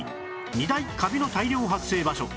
２大カビの大量発生場所